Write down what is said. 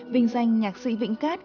vinh danh nhạc sĩ vĩnh cát